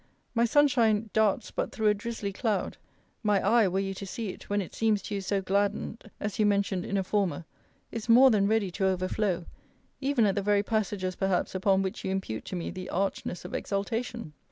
My sun shine darts but through a drizly cloud. My eye, were you to see it, when it seems to you so gladdened, as you mentioned in a former, is more than ready to overflow, even at the very passages perhaps upon which you impute to me the archness of exultation.